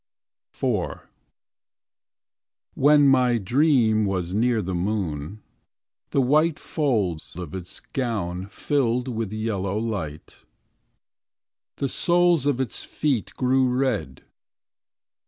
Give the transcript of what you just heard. IV When my dream was near the moon. The white folds of its gown Filled with yellow light. The soles of its feet Grew red.